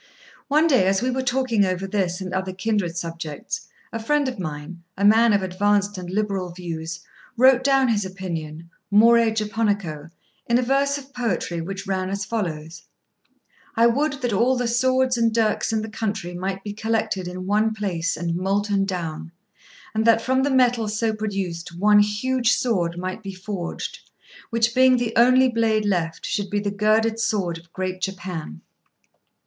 One day as we were talking over this and other kindred subjects, a friend of mine, a man of advanced and liberal views, wrote down his opinion, more Japonico, in a verse of poetry which ran as follows: "I would that all the swords and dirks in the country might be collected in one place and molten down, and that, from the metal so produced, one huge sword might be forged, which, being the only blade left, should be the girded sword of Great Japan."